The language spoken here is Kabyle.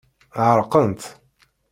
Ɛerqent.